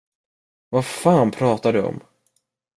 Vad fan pratar du om?